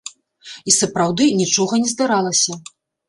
І сапраўды, нічога не здаралася.